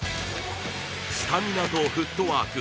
スタミナとフットワーク。